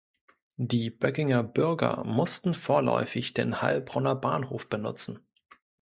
Die Böckinger Bürger mussten vorläufig den Heilbronner Bahnhof benutzen.